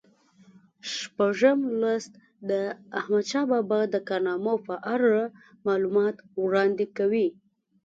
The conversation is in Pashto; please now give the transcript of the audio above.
شپږم لوست د احمدشاه بابا د کارنامو په اړه معلومات وړاندې کوي.